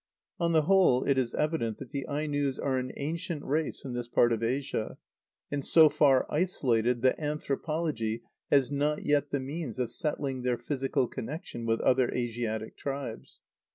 On the whole it is evident that the Ainos are an ancient race in this part of Asia, and so far isolated that anthropology has not yet the means of settling their physical connection with other Asiatic tribes.